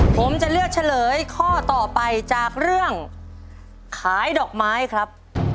ผมจะเลือกเฉลยข้อต่อไปจากเรื่องขายดอกไม้ครับ